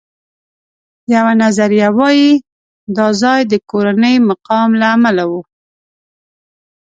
یوه نظریه وایي دا ځای د کورني مقام له امله و.